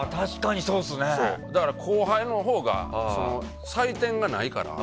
だから後輩のほうが採点がないから。